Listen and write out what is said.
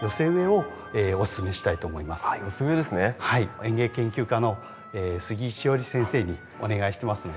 園芸研究家の杉井志織先生にお願いしてますので。